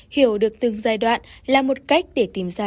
hiểu được từng giai đoạn là một cách để tìm ra